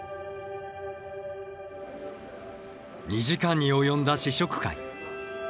２時間に及んだ試食会。